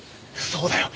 そうだよ。